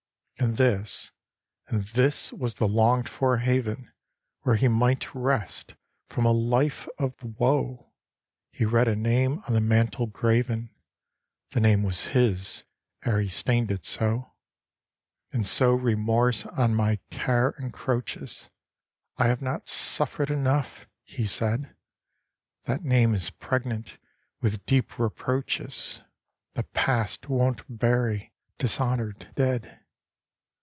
And this, and this was the longed for haven Where he might rest from a life of woe; He read a name on the mantel graven The name was his ere he stained it so. 'And so remorse on my care encroaches I have not suffered enough,' he said; 'That name is pregnant with deep reproaches The past won't bury dishonoured dead!